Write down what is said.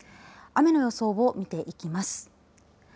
雨の予想を見ていきます。